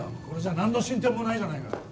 これじゃ何の進展もないじゃないか。